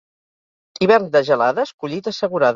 Hivern de gelades, collita assegurada.